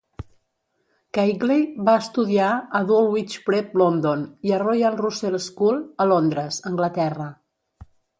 Keighley va estudiar a Dulwich Prep London i a Royal Russell School a Londres, Anglaterra.